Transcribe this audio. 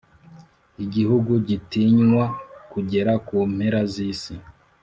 igihugu gitinywa kugera ku mpera z’isi,